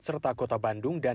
serta kota bandung dan